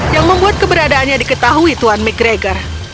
yang membuat keberadaannya diketahui tuan mcgregor